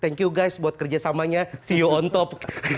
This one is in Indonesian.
thank you guys buat kerjasamanya see you on top